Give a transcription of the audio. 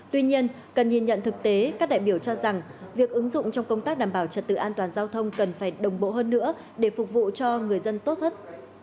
tuy nhiên cần nhìn nhận thực tế các đại biểu cho rằng việc ứng dụng trong công tác đảm bảo trật tự an toàn giao thông cần phải đồng bộ hơn nữa để phục vụ cho người dân tốt hơn